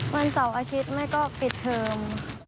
วันเสาร์อาทิตย์แม่ก็ปิดเทอม